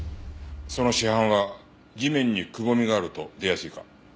その死斑は地面にくぼみがあると出やすいか？